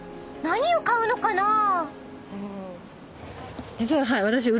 何を買うのかな？］